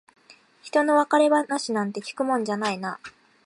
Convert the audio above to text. ひとの別れ話なんて聞くもんじゃないな。